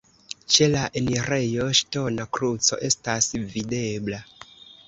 Ĉe la enirejo ŝtona kruco estas videbla.